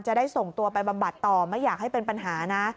จะได้ส่งตัวไปบำบัดต่อไม่อยากให้เป็นปัญหานะ